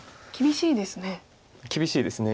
厳しいですね。